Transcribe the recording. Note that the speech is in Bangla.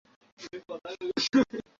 সে নারী ইয়াজিদের কাছে অভিযোগ করেন।